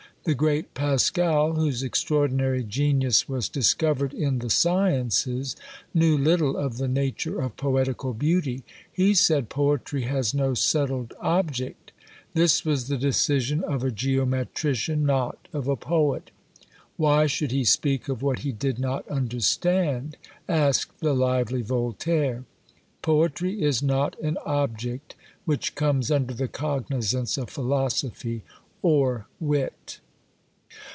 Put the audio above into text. The great Pascal, whose extraordinary genius was discovered in the sciences, knew little of the nature of poetical beauty. He said "Poetry has no settled object." This was the decision of a geometrician, not of a poet. "Why should he speak of what he did not understand?" asked the lively Voltaire. Poetry is not an object which comes under the cognizance of philosophy or wit.